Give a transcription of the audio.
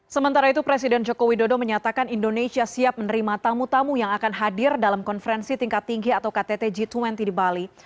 sementara itu presiden joko widodo menyatakan indonesia siap menerima tamu tamu yang akan hadir dalam konferensi tingkat tinggi atau ktt g dua puluh di bali